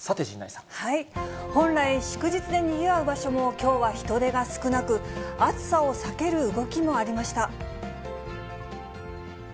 本来、祝日でにぎわう場所も、きょうは人出が少なく、暑さを避ける動きもありました。